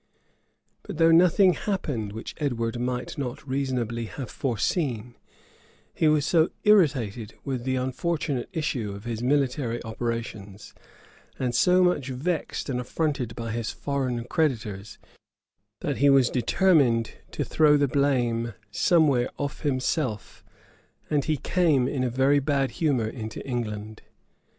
But though nothing had happened which Edward might not reasonably have foreseen, he was so irritated with the unfortunate issue of his military operations, and so much vexed and affronted by his foreign creditors, that he was determined to throw the blame somewhere off himself and he came in very bad humor into England.